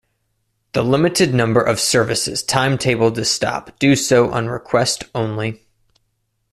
The limited number of services timetabled to stop do so on request only.